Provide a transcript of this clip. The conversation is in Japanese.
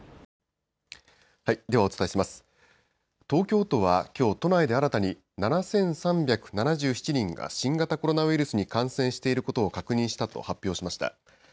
東京都はきょう、都内で新たに７３７７人が新型コロナウイルスに感染していることを確認したと発表しました。